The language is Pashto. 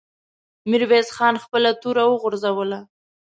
ميرويس خان خپله توره وغورځوله.